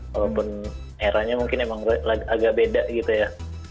walaupun eranya mungkin emang agak beda gitu ya